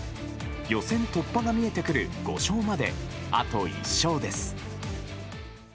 予選突破が見えてくる５勝まであと１勝です。